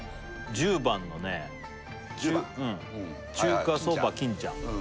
１０番中華そば金ちゃんああ